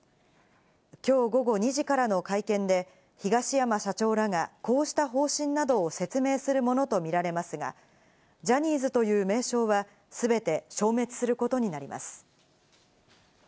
きょう午後２時からの会見で東山社長らがこうした方針などを説明するものとみられますが、ジャニーズという名称は全て消滅することになります。